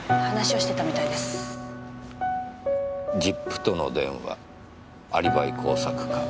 「実父との電話アリバイ工作か？」